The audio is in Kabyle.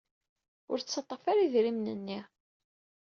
Ur ttaḍḍafen ara idrimen-nni.